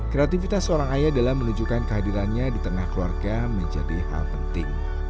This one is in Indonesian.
kreativitas seorang ayah dalam menunjukkan kehadirannya di tengah keluarga menjadi hal penting